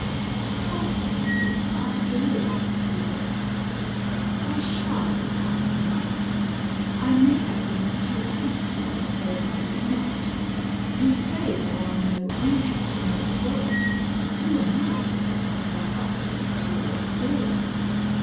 "Possibly, after all," he said slowly, "I shall become a man. I may have been too hasty in saying I was not. You say there are no angels in this world. Who am I to set myself up against your experience?